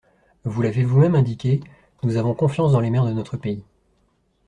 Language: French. Vous l’avez vous-même indiqué, nous avons confiance dans les maires de notre pays.